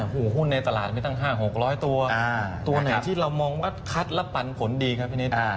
หูหุ้นในตลาดมีตั้ง๕๖๐๐ตัวตัวไหนที่เรามองว่าคัดและปันผลดีครับพี่นิด